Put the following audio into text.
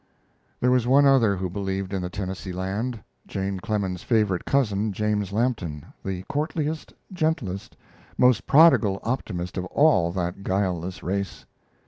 There was one other who believed in the Tennessee land Jane Clemens's favorite cousin, James Lampton, the courtliest, gentlest, most prodigal optimist of all that guileless race.